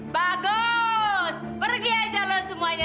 bagus pergi aja loh semuanya